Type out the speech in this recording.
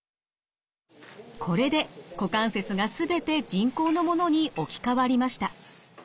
これで股関節が全て人工のものに置き換わりました。